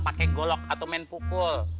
pakai golok atau main pukul